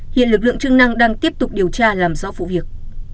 hiện lực lượng chức năng đang tiếp tục điều tra làm rõ vụ việc